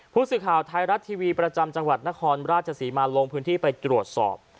ผู้สื่อข่าวไทยรัฐทีวีประจำจังหวัดนครราชศรีมาลงพื้นที่ไปตรวจสอบ